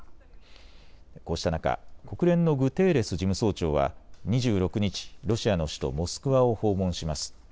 こうした中、国連のグテーレス事務総長は２６日ロシアの首都モスクワを訪問します。